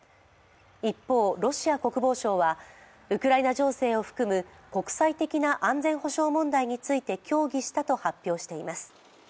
一方、ロシア国防省は、ウクライナ情勢を含む国際的な安全保障問題について協議したと発表しています。